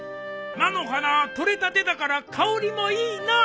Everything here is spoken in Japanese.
菜の花採れたてだから香りもいいのう。